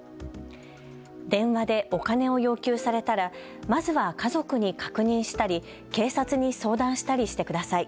電話でお金を要求されたらまずは家族に確認したり警察に相談したりしてください。